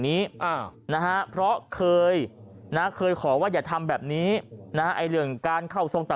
นี้นะฮะเพราะเคยนะเคยขอว่าอย่าทำแบบนี้นะไอ้เรื่องการเข้าทรงต่อ